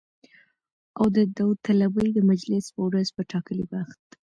او د داوطلبۍ د مجلس په ورځ په ټاکلي وخت